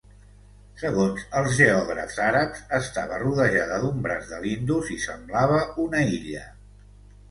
Segons els geògrafs àrabs, estava rodejada d'un braç de l'Indus i semblava una illa.